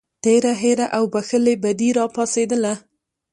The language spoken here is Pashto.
تېره هیره او بښلې بدي راپاڅېدله.